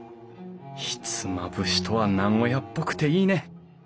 ひつまぶしとは名古屋っぽくていいね！